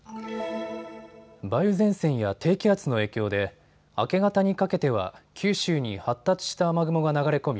梅雨前線や低気圧の影響で明け方にかけては九州に発達した雨雲が流れ込み